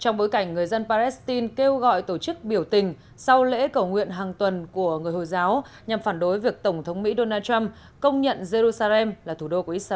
trong bối cảnh người dân palestine kêu gọi tổ chức biểu tình sau lễ cầu nguyện hàng tuần của người hồi giáo nhằm phản đối việc tổng thống mỹ donald trump công nhận jerusalem là thủ đô của israel